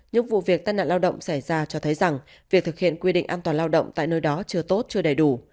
những vụ việc tai nạn lao động xảy ra cho thấy rằng việc thực hiện quy định an toàn lao động tại nơi đó chưa tốt chưa đầy đủ